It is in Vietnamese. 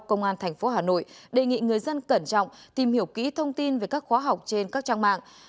công an tp hà nội đề nghị người dân cẩn trọng tìm hiểu kỹ thông tin về các khóa học trên các trang mạng